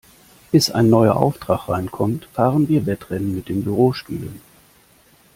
Bis ein neuer Auftrag reinkommt, fahren wir Wettrennen mit den Bürostühlen.